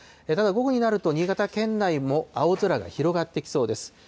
ただ、午後になると新潟県内も青空が広がってきそうです。